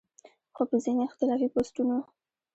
خو پۀ ځينې اختلافي پوسټونو